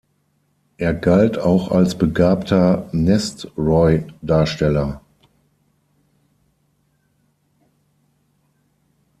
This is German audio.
Er galt auch als begabter Nestroy-Darsteller.